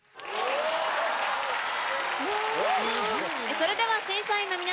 それでは審査員の皆さん